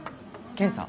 検査？